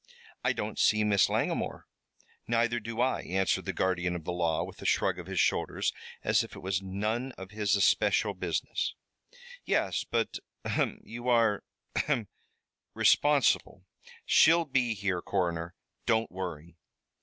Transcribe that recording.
"I don't see Miss Langmore." "Neither do I," answered the guardian of the law, with a shrug of his shoulders, as if it was none of his especial business, "Yes, but ahem! you are ahem! responsible " "She'll be here, coroner, don't worry."